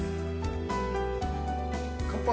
乾杯。